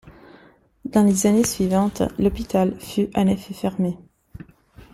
Dans les années suivantes l'hôpital fut en effet fermé.